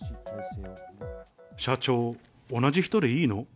社長、同じ人でいいの？